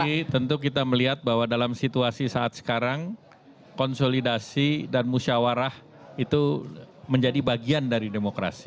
jadi tentu kita melihat bahwa dalam situasi saat sekarang konsolidasi dan musyawarah itu menjadi bagian dari demokrasi